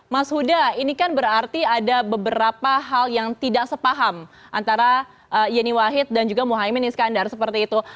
mas huda ini kan berarti ada beberapa hal yang tidak sepaham antara yeni wahid dan juga mohaimin iskandar seperti itu